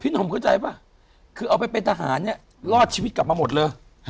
หนุ่มเข้าใจป่ะคือเอาไปเป็นทหารเนี่ยรอดชีวิตกลับมาหมดเลย